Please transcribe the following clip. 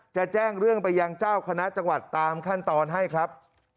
จะแจ้งเรื่องไปยังเจ้าคณะจังหวัดตามขั้นตอนให้ครับ